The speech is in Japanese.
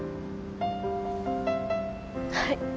はい